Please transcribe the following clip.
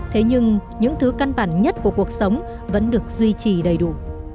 thế nhưng những thứ căn bản nhất của cuộc sống vẫn được duy trì đầy đủ